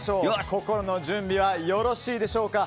心の準備はよろしいでしょうか。